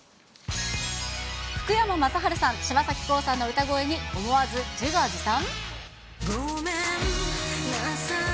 福山雅治さん、柴咲コウさんの歌声に思わず自画自賛？